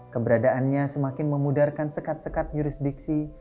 keberadaannya semakin memudarkan sekat sekat jurisdiksi